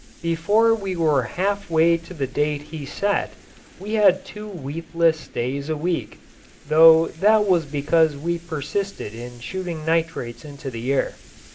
Before we were half way to the date he set we had two wheatless days a week, though that was because we persisted in shooting nitrates into the air.